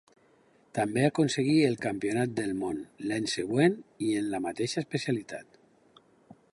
També aconseguí el Campionat del món, l'any següent, en la mateixa especialitat.